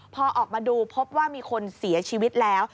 พอออกมาดูพบว่ามีคนเสียชีวิตแล้ว